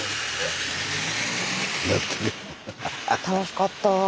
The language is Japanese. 楽しかった。